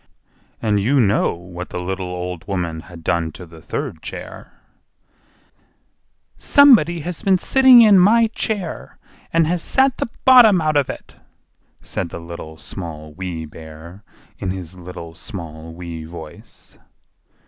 And you know what the little old woman had done to the third chair. "SOMEBODY HAS BEEN SITTING IN MY CHAIR, AND HAS SAT THE BOTTOM OUT OF IT!" said the Little, Small, Wee Bear, in his little, small, wee voice.